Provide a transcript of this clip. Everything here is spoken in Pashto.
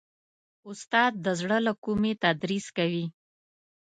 استاد د زړه له کومي تدریس کوي.